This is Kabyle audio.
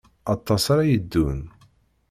Aṭas ara yeddun.